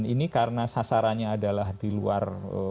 ini karena sasarannya adalah di luar